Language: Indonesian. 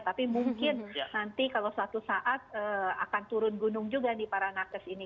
tapi mungkin nanti kalau suatu saat akan turun gunung juga di paranakas ini